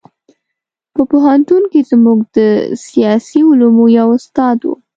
په پوهنتون کې زموږ د سیاسي علومو یو استاد و.